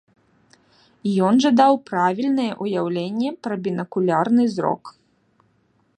Ён жа даў правільнае ўяўленне пра бінакулярны зрок.